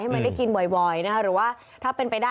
มันได้กินบ่อยนะคะหรือว่าถ้าเป็นไปได้